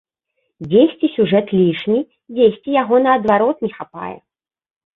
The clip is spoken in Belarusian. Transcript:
Дзесьці сюжэт лішні, дзесьці яго наадварот не хапае.